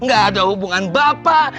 gak ada hubungan bapak